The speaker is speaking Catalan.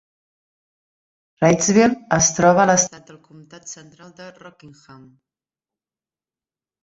Reidsville es troba a l'est del comtat central de Rockingham.